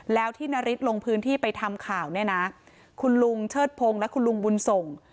แล้วที่นาริสลงพื้นที่ไปทำข่าวเนี่ยนะคุณลุงเชิดพงศ์และคุณลุงบุญส่ง